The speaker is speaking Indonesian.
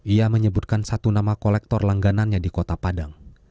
ia menyebutkan satu nama kolektor langganannya di kota padang